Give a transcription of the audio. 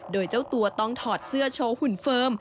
โดยเจ้าตัวต้องถอดเสื้อโชว์หุ่นเฟิร์ม